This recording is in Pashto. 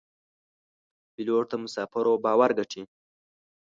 پیلوټ د مسافرو باور ګټي.